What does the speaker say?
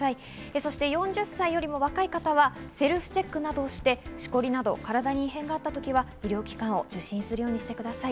そして４０歳よりも若い方はセルフチェックなどをして、しこりなど体に異変があったときは医療機関を受診するようにしてください。